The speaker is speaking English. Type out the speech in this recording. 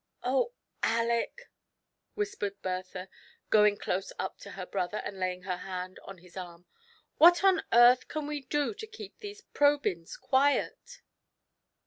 "Oh, Aleck," whispered Bertha^ goii^g close up to her brother, and laying her hand on his arm, "what on earth can we do to keep these Probyns quiet